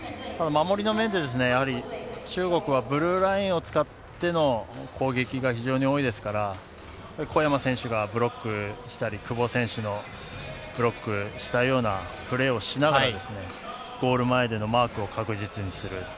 守りの面で、中国はブルーラインを使っての攻撃が非常に多いですから、小山選手がブロックしたり、久保選手のブロックしたようなプレーをしながらゴール前でのマークを確実にする。